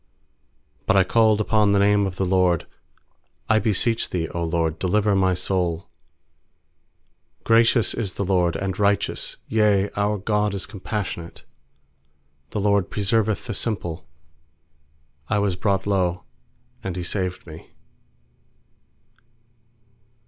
4But I called upon the name of th* LORD: 'I beseech Thee, 0 LORD, delivei my soul.7 6Gracious is the LORD, and righteous Yea, our God is compassionate 6The LORD preserveth the simple; I was brought low, and He saved me.